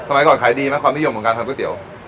สมัยก่อนขายดีไหมความนิยมของการทำก๋วยเตี๋ยว